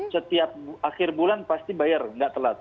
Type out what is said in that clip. setiap akhir bulan pasti bayar nggak telat